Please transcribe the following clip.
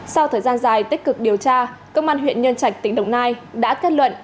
sau thời gian dài tích cực điều tra công an huyện nhân trạch tỉnh đồng nai đã kết luận